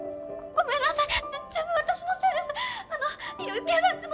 ごめんなさい。